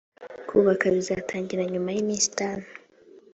kubaka bizatangira nyuma y’iminsi itanu